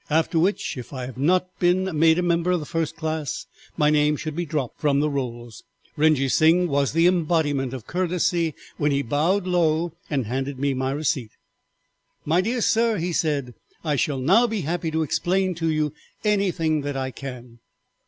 After which, if I had not been made a member of the first class, my name should be dropped from the rolls. "Rengee Sing was the embodiment of courtesy when he bowed low and handed me my receipt. "'My dear sir,' he said, 'I shall now be happy to explain to you anything that I can.'